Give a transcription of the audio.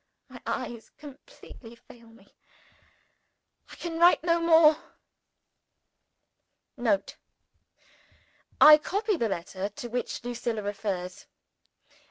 My eyes completely fail me. I can write no more. [Note. I copy the letter to which Lucilla refers.